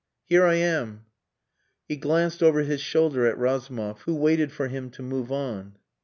Here I am!" He glanced over his shoulder at Razumov, who waited for him to move on.